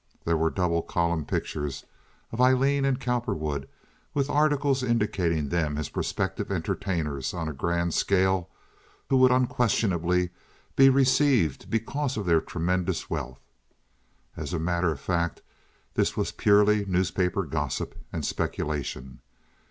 There were double column pictures of Aileen and Cowperwood, with articles indicating them as prospective entertainers on a grand scale who would unquestionably be received because of their tremendous wealth. As a matter of fact, this was purely newspaper gossip and speculation.